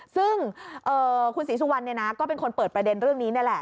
ซึ่งคุณศรีสุวรรณก็เป็นคนเปิดประเด็นเรื่องนี้นี่แหละ